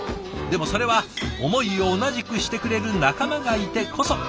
でもそれは思いを同じくしてくれる仲間がいてこそ。